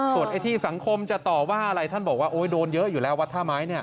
ส่วนไอ้ที่สังคมจะต่อว่าอะไรท่านบอกว่าโอ๊ยโดนเยอะอยู่แล้ววัดท่าไม้เนี่ย